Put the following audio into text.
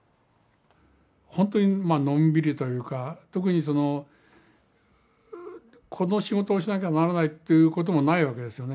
本当にまあのんびりというか特にそのこの仕事をしなきゃならないということもないわけですよね。